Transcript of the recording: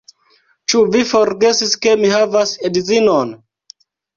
Ĉu vi forgesis ke mi havas edzinon?